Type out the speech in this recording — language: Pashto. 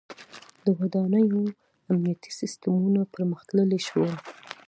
• د ودانیو امنیتي سیستمونه پرمختللي شول.